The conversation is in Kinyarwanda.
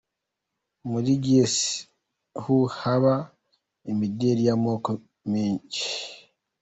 Muri Guess Who haba imideli y'amoko menshi.